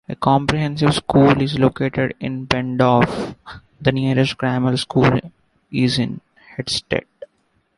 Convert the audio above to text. A comprehensive school is located in Benndorf, the nearest grammar school is in Hettstedt.